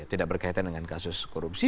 tidak berkaitan dengan kasus korupsi